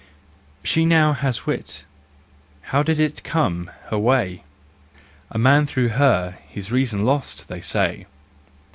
... She now has wit—how did it come her way ? A man through her his reason lost, they say.